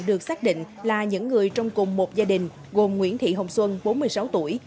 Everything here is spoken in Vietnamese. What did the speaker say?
được xác định là những người trong cùng một gia đình gồm nguyễn thị hồng xuân bốn mươi sáu tuổi